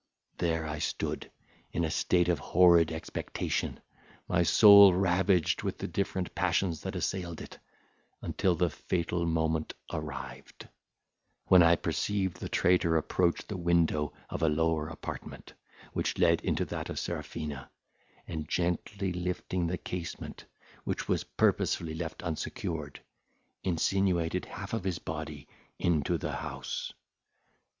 There I stood, in a state of horrid expectation, my soul ravaged with the different passions that assailed it, until the fatal moment arrived; when I perceived the traitor approach the window of a lower apartment, which led into that of Serafina, and gently lifting the casement, which was purposely left unsecured, insinuated half of his body into the house.